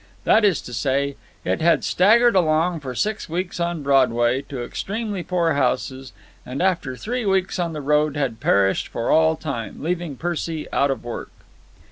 That is to say, it had staggered along for six weeks on Broadway to extremely poor houses, and after three weeks on the road, had perished for all time, leaving Percy out of work.